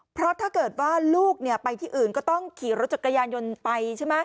เพราะถ้าลูกไปที่อื่นก็ต้องขี่รถจัดกรยานยนต์ไป